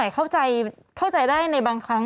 เขาอยากเลี้ยงไหม